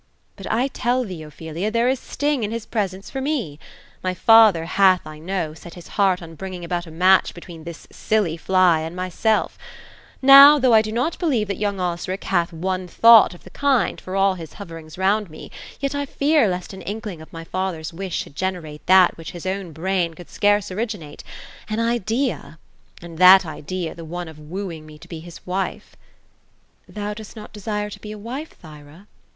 " But I tell thee, Ophelia, there is a sting in his presence, for me. My father hath, I know, set his heart on bringing about a match between this silly fly and myself Now, though I do not believe that young Osric hath one thought of the kind, for all his hoverings round me, yet I fear lest an inkling of my father's wish should generate that which his own brain could scarce originate, — ^an idea ; and that idea, the one of wooing me to be his wife." " Thou dost not desire to be a wife, Thyra?"